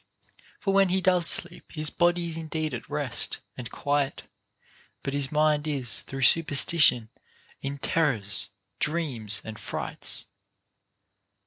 For when he does sleep his body is indeed at rest and quiet, but his mind is through superstition in terrors, dreams, and frights.